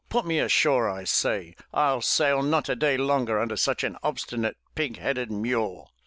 Put me ashore, I say! I'll sail not a day longer under such an obstinate, pig headed mule!"